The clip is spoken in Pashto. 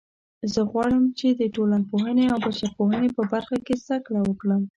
زه غواړم چې د ټولنپوهنې او بشرپوهنې په برخه کې زده کړه وکړم